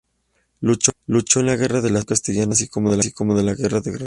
Luchó en la Guerra de Sucesión Castellana así como en la Guerra de Granada.